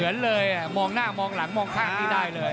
เหมือนเลยมองหน้ามองหลังมองข้างนี้ได้เลย